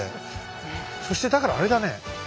そしてだからあれだね